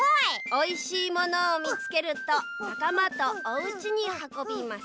「おいしいものをみつけるとなかまとおうちにはこびます」。